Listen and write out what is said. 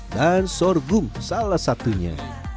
dan sorghum salah satunya